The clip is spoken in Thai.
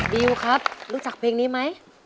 ดิวครับรู้จักเพลงนี้ไหม